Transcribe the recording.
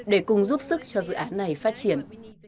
để cùng giúp sức cho dự án này phát triển